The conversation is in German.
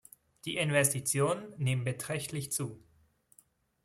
Die Investitionen nehmen beträchtlich zu.